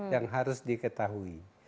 yang harus diketahui